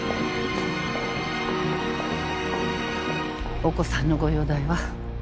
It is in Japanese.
お子さんのご容体は？